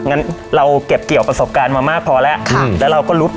งั้นเราเก็บเกี่ยวประสบการณ์มามากพอแล้วแล้วเราก็ลุก